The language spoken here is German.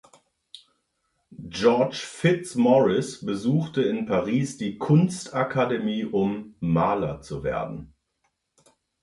George Fitzmaurice besuchte in Paris die Kunstakademie um Maler zu werden.